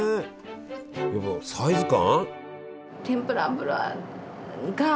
やっぱサイズ感？